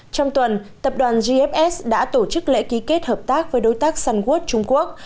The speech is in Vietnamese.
trong tuần tập đoàn gfs đã tổ chức lễ ký kết hợp tác với đối tác sunwood trung quốc